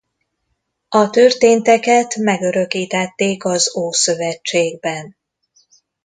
A történteket megörökítették az Ószövetségben.